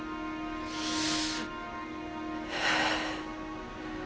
はあ。